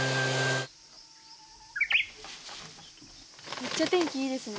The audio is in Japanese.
めっちゃ天気いいですね